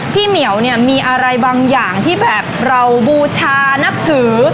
เหมียวเนี่ยมีอะไรบางอย่างที่แบบเราบูชานับถือ